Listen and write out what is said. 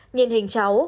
nhìn hình cháu